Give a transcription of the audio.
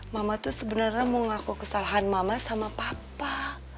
mama tuh sebenarnya mau ngaku kesalahan mama sama papa